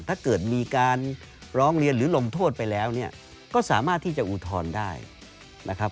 ถ้าเกิดมีการร้องเรียนหรือลงโทษไปแล้วเนี่ยก็สามารถที่จะอุทธรณ์ได้นะครับ